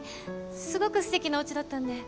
すごく素敵なおうちだったんで